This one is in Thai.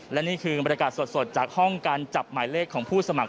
และนี่คือบรรยากาศสดจากห้องการจับหมายเลขของผู้สมัคร